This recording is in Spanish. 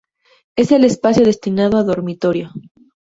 Es el espacio destinado a dormitorio.